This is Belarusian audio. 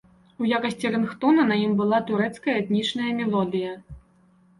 У якасці рынгтона на ім была турэцкая этнічная мелодыя.